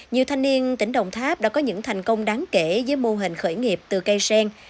nhiều thanh niên tỉnh đồng tháp đã có những thành công đáng kể với mô hình khởi nghiệp từ cây sen